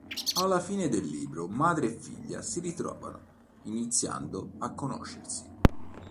Alla fine del libro Madre e figlia si ritrovano iniziando a conoscersi.